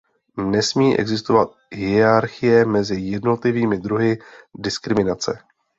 Nesmí existovat hierarchie mezi jednotlivými druhy diskriminace.